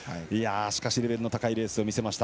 レベルの高いレースを見せました。